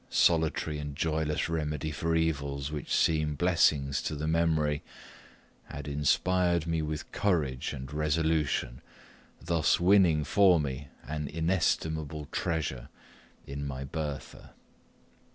solitary and joyless remedy for evils which seem blessings to the memory), had inspired me with courage and resolution, thus winning for me an inestimable treasure in my Bertha.